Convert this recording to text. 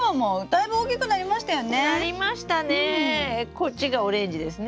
こっちがオレンジですね？